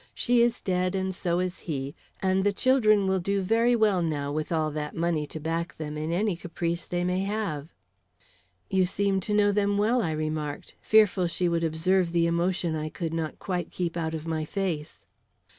She is dead and so is he, and the children will do very well now with all that money to back them in any caprice they may have." "You seem to know them well," I remarked, fearful she would observe the emotion I could not quite keep out of my face.